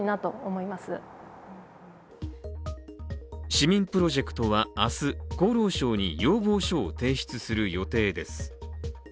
市民プロジェクトは明日、厚労省に要望書を提出する予定です。